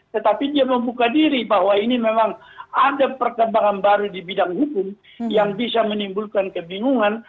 tetapi dia membuka diri bahwa ini memang ada perkembangan baru di bidang hukum yang bisa menimbulkan kebingungan